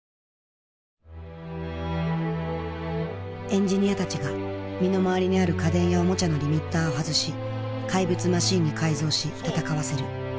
エンジニアたちが身の回りにある家電やおもちゃのリミッターを外し怪物マシンに改造し戦わせる「魔改造の夜」。